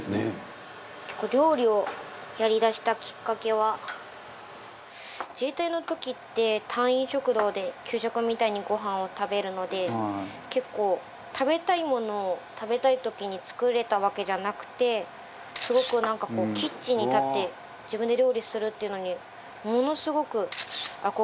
料理をやりだしたきっかけは自衛隊の時って隊員食堂で給食みたいにごはんを食べるので結構食べたいものを食べたい時に作れたわけじゃなくてすごくなんかこうキッチンに立って自分で料理するっていうのにものすごく憧れてて。